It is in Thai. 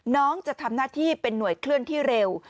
จะทำหน้าที่เป็นหน่วยเคลื่อนที่เร็ว